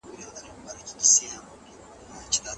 ولي لېواله انسان د مخکښ سړي په پرتله هدف ترلاسه کوي؟